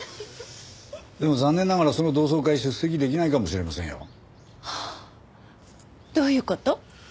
でも残念ながらその同窓会出席できないかもしれませんよ。はあどういう事？